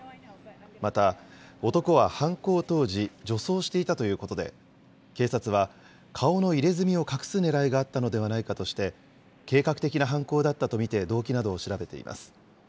また、男は犯行当時、女装していたということで、警察は、顔の入れ墨を隠すねらいがあったのではないかとして、計画的な犯行だったと見て動機などを調べています。